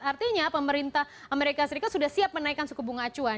artinya pemerintah amerika serikat sudah siap menaikkan suku bunga acuan